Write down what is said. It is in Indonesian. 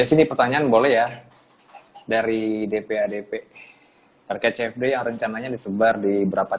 ini mau social distancingnya bagaimana